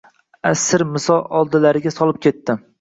Asir misol — oldilariga solib ketdi.